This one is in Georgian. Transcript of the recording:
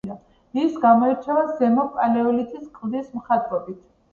ის გამოირჩევა ზემო პალეოლითის კლდის მხატვრობით.